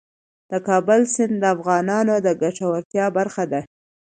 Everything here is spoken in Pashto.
د کابل سیند د افغانانو د ګټورتیا برخه ده.